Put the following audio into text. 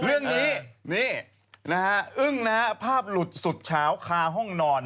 เรื่องนี้อึ้งนะภาพหลุดสุดเช้าคาห้องนอน